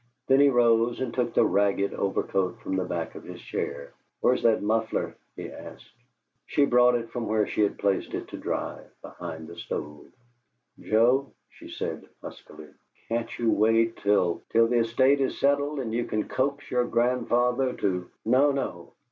Then he rose and took the ragged overcoat from the back of his chair. "Where's that muffler?" he asked. She brought it from where she had placed it to dry, behind the stove. "Joe," she said, huskily, "can't you wait till " "Till the estate is settled and you can coax your grandfather to " "No, no!